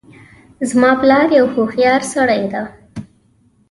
زما پلار یو هوښیارسړی ده